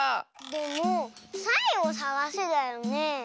でも「サイをさがせ」だよね？